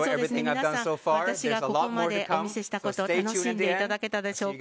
皆さん私がここまでお見せしてきたこと楽しんでいただけたでしょうか。